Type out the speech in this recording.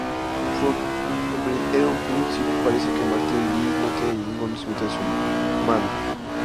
En un principio parece que Martin Li no tiene conocimiento de su lado malo.